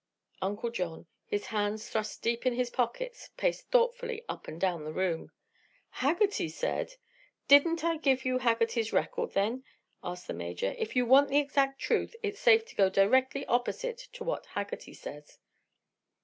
Uncle John, his hands thrust deep in his pockets, paced thoughtfully up and down the room. "Haggerty said " "Didn't I give you Haggerty's record, then?" asked the Major. "If you want the exact truth it's safe to go directly opposite to what Haggerty says."